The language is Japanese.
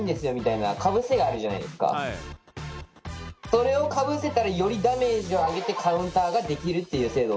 それをかぶせたらよりダメージを上げてカウンターができるっていう制度を取り入れたい。